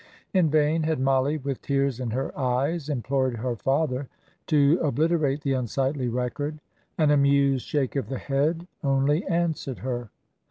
In vain had Mollie, with tears in her eyes, implored her father to obliterate the unsightly record. An amused shake of the head only answered her.